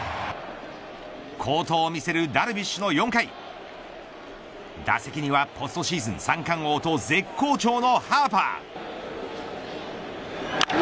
好投を見せるダルビッシュの４回打席にはポストシーズン三冠王と絶好調のハーパー。